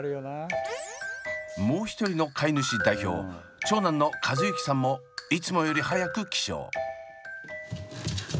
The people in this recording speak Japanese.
もう一人の飼い主代表長男の和友輝さんもいつもより早く起床。